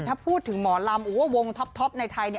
ถ้าพูดถึงหมอลำหรือว่าวงท็อปในไทย